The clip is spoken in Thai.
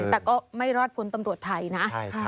แต่ก็ไม่รอดพ้นตำรวจไทยนะ